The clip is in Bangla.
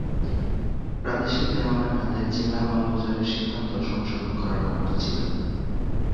প্রাদেশিক দেওয়ানের হাতে জেলা মালগুজারের সিদ্ধান্ত সংশোধন করার ক্ষমতা ছিল।